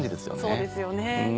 そうですよね。